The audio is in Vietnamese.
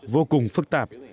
vô cùng phức tạp